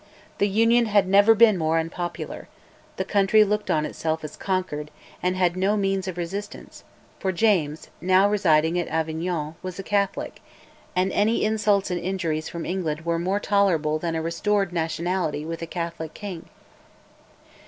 The Union had never been more unpopular: the country looked on itself as conquered, and had no means of resistance, for James, now residing at Avignon, was a Catholic, and any insults and injuries from England were more tolerable than a restored nationality with a Catholic king.